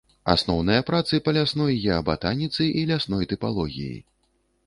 Асноўныя працы па лясной геабатаніцы і лясной тыпалогіі.